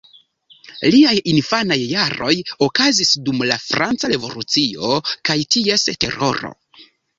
Liaj infanaj jaroj okazis dum la Franca revolucio kaj ties Teroro.